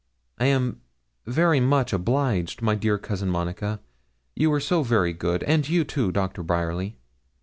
I am very much obliged, my dear Cousin Monica, you are so very good, and you too, Doctor Bryerly.'